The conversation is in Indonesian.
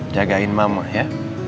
jagain mama ya